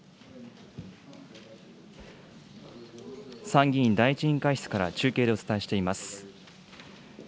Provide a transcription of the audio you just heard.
参議院第１委員会室から中継でお伝えしています。